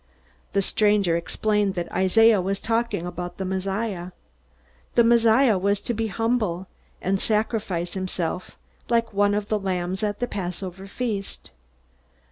The stranger explained that Isaiah was talking about the Messiah. The Messiah was to be humble, and sacrifice himself, like one of the lambs at the Passover feast.